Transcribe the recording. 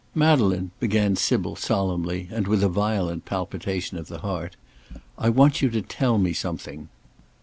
"Madeleine," began Sybil, solemnly, and with a violent palpitation of the heart, "I want you to tell me something."